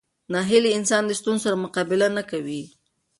ناهیلي انسان د ستونزو سره مقابله نه کوي.